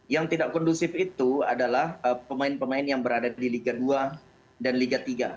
yang tidak kondusif itu adalah pemain pemain yang berada di liga dua dan liga tiga